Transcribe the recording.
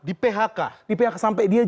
di phk di phk sampai dia